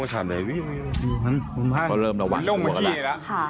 เขาเริ่มระวังตัวกันแล้ว